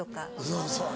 そうそう。